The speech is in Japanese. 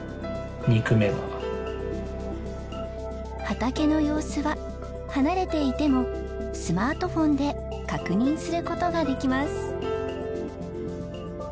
畑の様子は離れていてもスマートフォンで確認する事ができます。